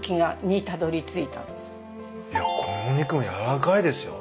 いやこのお肉も軟らかいですよ。